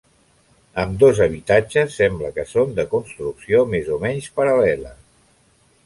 Ambdós habitatges sembla que són de construcció més o menys paral·lela.